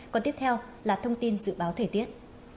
còn tiếp theo là thông tin dự báo thời tiết